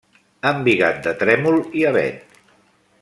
Embigat de trèmol i avet.